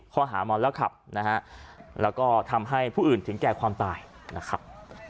ข้อหาเมาแล้วขับนะฮะแล้วก็ทำให้ผู้อื่นถึงแก่ความตายนะครับ